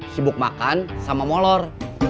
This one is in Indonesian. sibuk makan sama molor